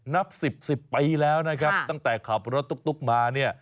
นับสิบสิบปีแล้วนะครับตั้งแต่ขับรถตุ๊กมาเนี่ย